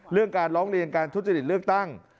เรื่องการร้องเรียนการทุจริตเลือกตั้ง